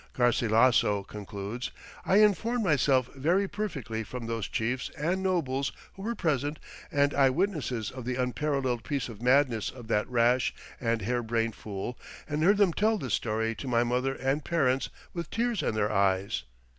Garcilasso concludes: "I informed myself very perfectly from those chiefs and nobles who were present and eye witnesses of the unparalleled piece of madness of that rash and hair brained fool; and heard them tell this story to my mother and parents with tears in their eyes."